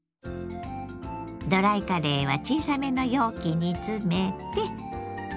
ドライカレーは小さめの容器に詰めて。